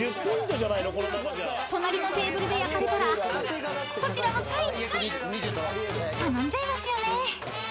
［隣のテーブルで焼かれたらこちらもついつい頼んじゃいますよね］